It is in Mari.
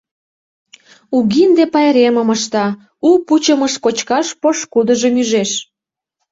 Угинде пайремым ышта, у пучымыш кочкаш пошкудыжым ӱжеш.